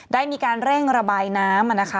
ได้มีการเร่งระบายน้ำนะคะ